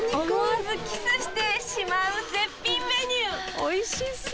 おいしそう！